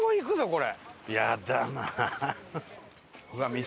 これ。